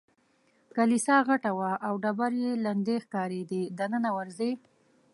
کلیسا غټه وه او ډبرې یې لندې ښکارېدې، دننه ورځې؟